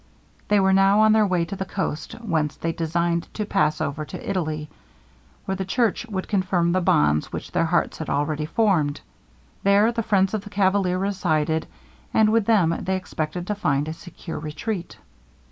They were now on their way to the coast, whence they designed to pass over to Italy, where the church would confirm the bonds which their hearts had already formed. There the friends of the cavalier resided, and with them they expected to find a secure retreat.